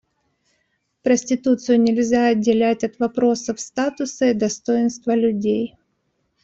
Проституцию нельзя отделять от вопросов статуса и достоинства людей.